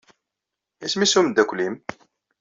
Isem-nnes umeddakel-nnem?